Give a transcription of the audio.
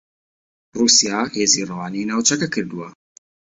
رووسیا هێزی رەوانەی ناوچەکە کردووە